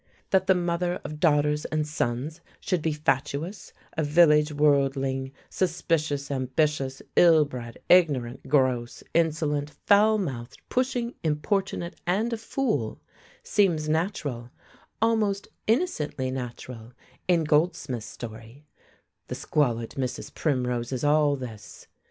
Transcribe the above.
That the mother of daughters and sons should be fatuous, a village worldling, suspicious, ambitious, ill bred, ignorant, gross, insolent, foul mouthed, pushing, importunate, and a fool, seems natural, almost innocently natural, in Goldsmith's story; the squalid Mrs. Primrose is all this.